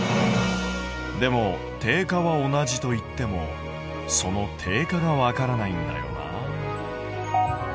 でも定価は同じといってもその定価がわからないんだよな。